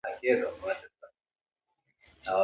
سیندونه د افغانستان د طبیعت د ښکلا برخه ده.